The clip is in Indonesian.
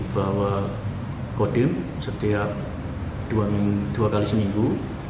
bahwa kodim setiap dua kali seminggu